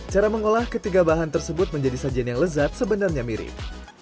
cara mengolah ketiga bahan tersebut menjadi sajian yang lezat sebenarnya mirip